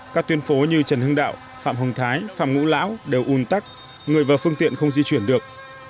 các tuyên phố như trần hưng đạo phạm hồng thái phạm ngũ lão đều un tắc người và phương tiện không di chuyển được